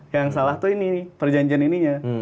yang salah tuh ini perjanjian ininya